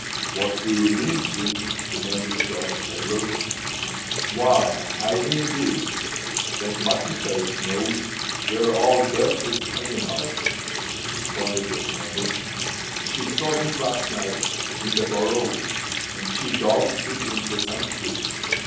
"What do you mean, Tim?" demanded Josh Pedler. "Why, I mean this—that Mutton Face knows where Old Death is hanging out," responded the Snammer. "She saw him last night in the Borough; and she dogged him into some crib.